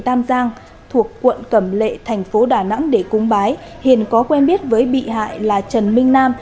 tam giang thuộc quận cẩm lệ thành phố đà nẵng để cúng bái hiền có quen biết với bị hại là trần minh nam